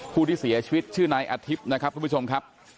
ผู้ที่เสียชีวิตชื่อนายอธิบนะครับ